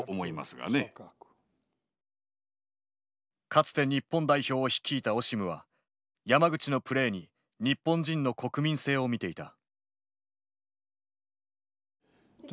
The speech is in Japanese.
かつて日本代表を率いたオシムは山口のプレーに日本人の国民性を見ていた。